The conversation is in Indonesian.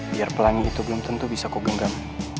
biar pelangi itu belum tentu bisa kugenggam